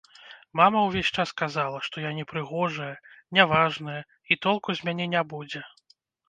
Мама ўвесь час казала, што я непрыгожая, няважная і толку з мяне не будзе.